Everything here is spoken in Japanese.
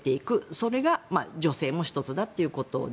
それが女性も１つだということで。